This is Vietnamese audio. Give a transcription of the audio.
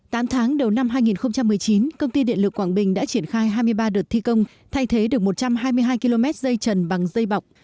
tám tháng đầu năm hai nghìn một mươi chín công ty điện lực quảng bình đã triển khai hai mươi ba đợt thi công thay thế được một trăm hai mươi hai km dây trần bằng dây bọc